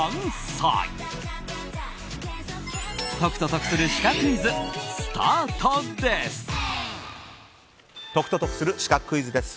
解くと得するシカクイズスタートです。